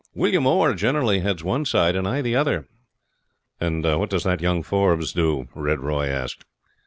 "William Orr generally heads one side, and I the other." "And what does that young Forbes do?" Red Roy asked.